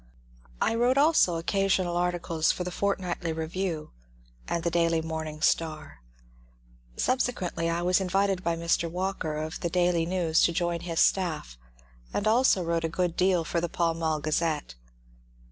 I wrote also occa sional articles for the ^^Fortnightly Review" and the daily Morning Star." Subsequently I was invited by Mr. Walker of the '^ Daily News " to join his staff, and also wrote a good deal for the " Pall Mall Gazette."